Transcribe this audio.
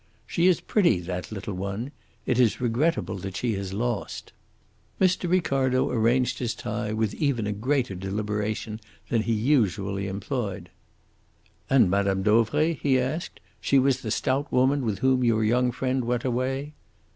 "She is pretty, that little one. It is regrettable that she has lost." Mr. Ricardo arranged his tie with even a greater deliberation than he usually employed. "And Mme. Dauvray?" he asked. "She was the stout woman with whom your young friend went away?"